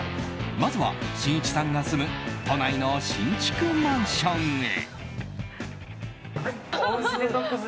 まずはしんいちさんが住む都内の新築マンションへ。